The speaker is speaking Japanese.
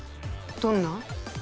どんな？